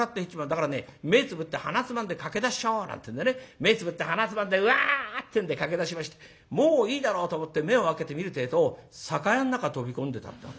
だからね目つぶって鼻つまんで駆け出しちゃおう」なんてえんでね目つぶって鼻つまんでウワーッてんで駆け出しましてもういいだろうと思って目を開けて見るってえと酒屋の中飛び込んでた。